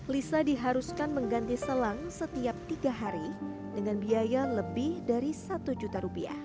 lisa diharuskan mengganti selang setiap tiga hari dengan biaya lebih dari satu juta rupiah